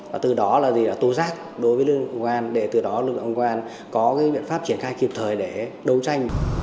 và từ đó là gì là tố giác đối với lực lượng công an để từ đó lực lượng công an có cái biện pháp triển khai kịp thời để đấu tranh